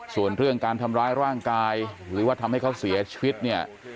ส่วนเรื่องการทำร้ายร่างกายหรือว่าทำให้เขาเสียชีวิตเนี่ย